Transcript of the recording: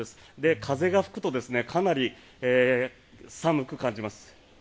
風が吹くとかなり寒く感じます。